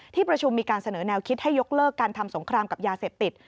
ที่ประชุมมีการเสนอแนวคิดให้ยกเลิกการทำสงครามกับยาเสพติด